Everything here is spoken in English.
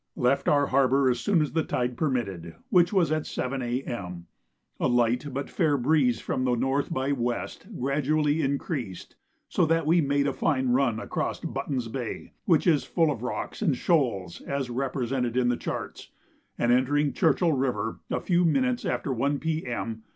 Left our harbour as soon as the tide permitted, which was at 7 A.M. A light but fair breeze from N. by W. gradually increased, so that we made a fine run across Button's Bay, which is as full of rocks and shoals as represented in the charts, and entering Churchill River a few minutes after 1 P.M.